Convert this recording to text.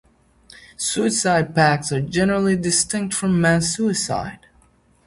Suicide pacts are generally distinct from mass suicide.